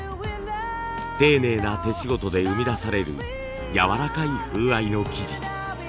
丁寧な手仕事で生み出されるやわらかい風合いの生地。